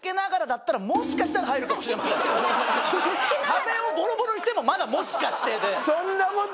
壁をボロボロにしてもまだもしかしてで。